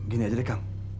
gini aja deh kang